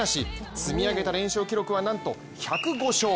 積み上げた連勝記録はなんと１０５勝。